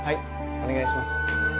お願いします。